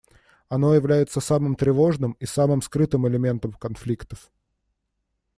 Оно является самым тревожным и самым скрытым элементом конфликтов.